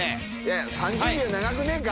３０秒長くねえか？